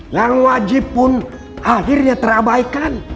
yang wajib pun akhirnya terabaikan